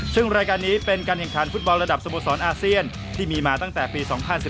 ซึ่งรายการนี้เป็นการแข่งขันฟุตบอลระดับสโมสรอาเซียนที่มีมาตั้งแต่ปี๒๐๑๙